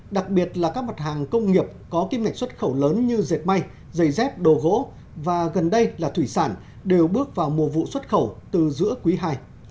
đặc biệt là các mặt hàng công nghiệp có kim ngạch xuất khẩu lớn như dệt may giày dép đồ gỗ và gần đây là thủy sản đều bước vào mùa vụ xuất khẩu từ giữa quý ii